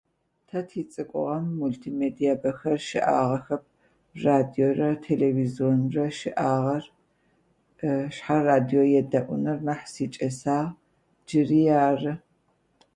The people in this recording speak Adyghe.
Тэ тицӏыкӏугъэм мультимедие бэхэр щыӏагъэхэп, радиорэ телевизионрэ щыӏагъэр, шъхьай радио едэӏуныр нахь сикӏэсагъ, джыри ары.